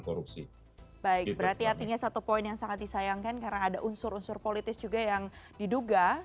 korupsi baik berarti artinya satu poin yang sangat disayangkan karena ada unsur unsur politis juga yang diduga